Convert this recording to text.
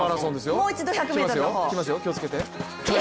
もう一度１００ｍの方。